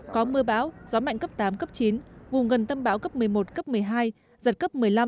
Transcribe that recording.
có mưa bão gió mạnh cấp tám cấp chín vùng gần tâm bão cấp một mươi một cấp một mươi hai giật cấp một mươi năm